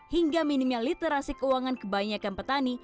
hingga minimnya literasi keuangan kebanyakan petani